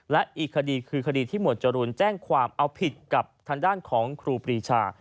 และอีกคดีคือคดีที่หมวดจรูนแจ้งความเอาผิดกับทางด้านของครูปรีชา